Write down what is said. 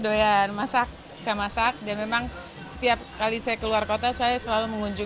doyan masak masak dia memang setiap